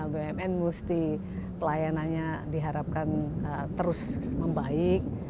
bumn mesti pelayanannya diharapkan terus membaik